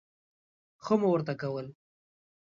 ښه مو ورته کول.